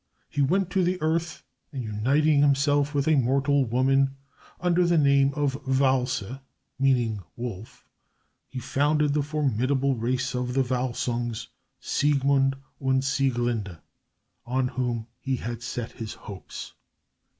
He went to the earth and, uniting himself with a mortal woman, under the name of Wälse, meaning "wolf," he founded the formidable race of the Wälsungs Siegmund and Sieglinde on whom he set his hopes.